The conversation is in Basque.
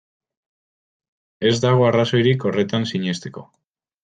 Ez dago arrazoirik horretan sinesteko.